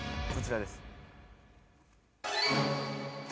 こちらです。